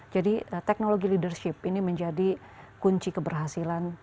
jadi teknologi leadership ini menjadi kunci keberhasilan